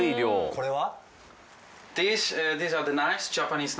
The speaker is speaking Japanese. これは？